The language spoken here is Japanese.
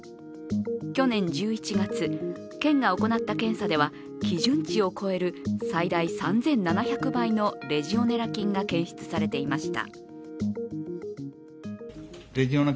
去年１１月、県が行った検査では基準値を超える最大３７００倍のレジオネラ菌が検出されていました。